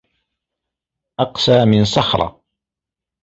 أقسى من صخرة